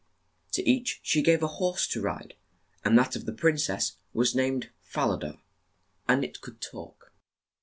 To each she gave a horse to ride, and that of the prin cess was named Fa la da, and it could talk.